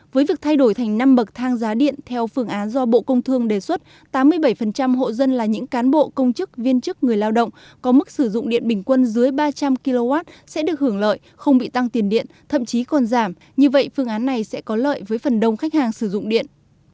với việc thay đổi thành năm bậc thang giá điện theo phương án do bộ công thương đề xuất tám mươi bảy hộ dân là những cán bộ công chức viên chức người lao động có mức sử dụng điện bình quân dưới ba trăm linh kw sẽ được hưởng lợi không bị tăng tiền điện thậm chí còn giảm như vậy phương án này sẽ có lợi với phần đông khách hàng sử dụng điện